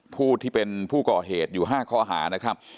ผู้ที่เป็นผู้ก่อเหตุอยู่๕ข้อหานะครับ